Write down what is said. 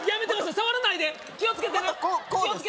触らないで気をつけてね